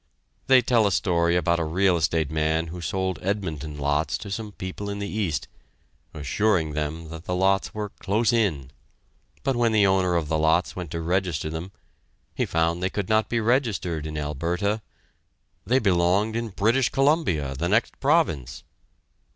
They tell a story about a real estate man who sold Edmonton lots to some people in the East, assuring them that the lots were "close in," but when the owner of the lots went to register them, he found they could not be registered in Alberta they belonged in British Columbia, the next province!